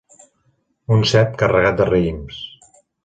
Un cep carregat de raïms.